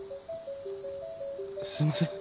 すいません。